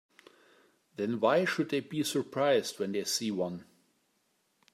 Then why should they be surprised when they see one?